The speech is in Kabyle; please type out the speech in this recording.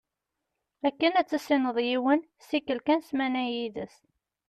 Akken ad tissineḍ yiwen, ssikel kan ssmana yid-s.